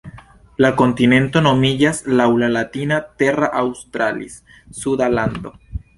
La kontinento nomiĝas laŭ la latina "terra australis", suda lando.